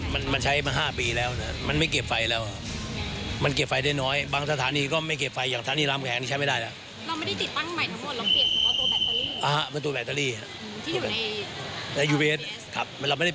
รับประจวดสอบมันก็ใช้งานได้แต่ว่าเรื่องระบบราชการ